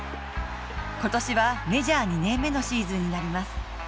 今年はメジャー２年目のシーズンになります。